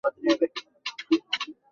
আমি কি তোমার প্রতি বলপ্রয়োগ করছি?